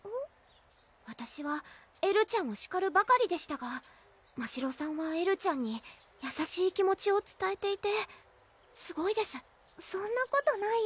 わたしはエルちゃんをしかるばかりでしたがましろさんはエルちゃんに優しい気持ちをつたえていてすごいですそんなことないよ